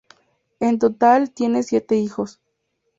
En total tiene siete hijos.